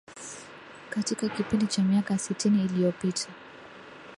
katika kipindi cha miaka sitini iliyopita